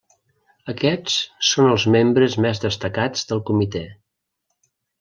Aquests són els membres més destacats del comitè.